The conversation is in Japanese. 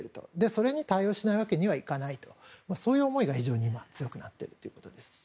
それに対応しないわけにはいかないとそういう思いが非常に強くなっているということです。